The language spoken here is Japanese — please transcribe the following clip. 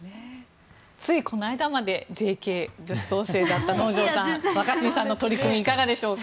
ついこの間までＪＫ、女子高校生だった能條さん、若新さんの取り組みはいかがでしょうか。